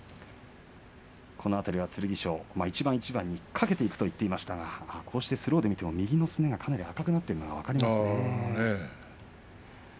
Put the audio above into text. この辺りは剣翔一番一番に懸けていくと言っていましたがスローで見ても右のすねがかなり赤くなっているのが分かりますね。